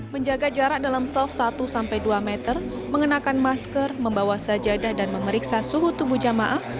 menjaga jarak dalam self satu dua meter mengenakan masker membawa sajadah dan memeriksa suhu tubuh jemaah